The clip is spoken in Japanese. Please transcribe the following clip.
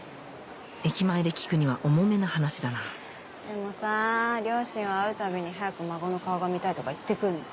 駅前で聞くには重めな話だなでもさ両親は会うたびに早く孫の顔が見たいとか言ってくるのよ。